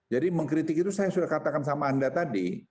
jadi mengkritik itu saya sudah katakan sama anda tadi